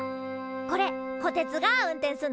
これこてつが運転すんのな。